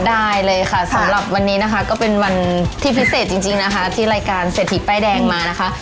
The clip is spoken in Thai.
ได้เลยค่ะสำหรับวันนี้นะคะก็เป็นวันที่พิเศษจริงนะคะที่รายการเศรษฐีป้ายแดงมานะคะ